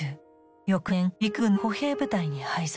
翌年陸軍の歩兵部隊に配属。